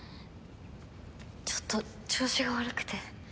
ちょっと調子が悪くて。